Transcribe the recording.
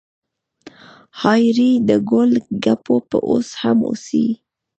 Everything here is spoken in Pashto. ها ریړۍ د ګول ګپو به اوس هم اوسي؟